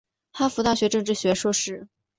哈佛大学政治学硕士。